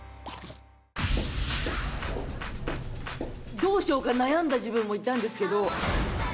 どうしようか悩んだ自分もいたんですけど。